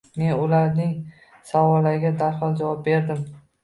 Men ularning savollariga darhol javob berdim.